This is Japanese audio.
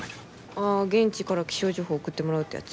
ああ現地から気象情報送ってもらうってやつ？